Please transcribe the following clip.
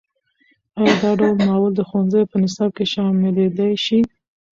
ایا دا ناول د ښوونځیو په نصاب کې شاملېدی شي؟